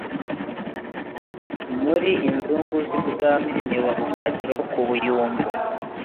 Muri inzugu* z'i Bwima, N'iwa Bwagiro ku Buyumbu.